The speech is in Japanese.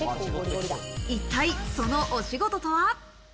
一体そのお仕事とは？